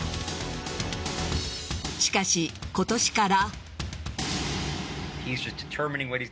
しかし今年から。